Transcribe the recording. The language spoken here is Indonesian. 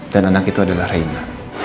dan anak itu adalah reina